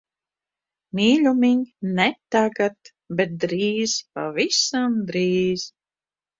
Mīļumiņ, ne tagad. Bet drīz, pavisam drīz.